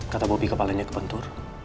kata bobby kepalanya kebentur